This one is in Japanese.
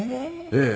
ええ。